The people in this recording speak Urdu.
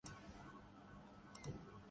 جس کیفیت سے تحریک انصاف دوچار ہے۔